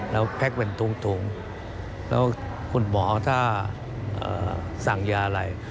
แล้วแพ็คเป็นถุงแล้วคุณหมอถ้าสั่งยาอะไร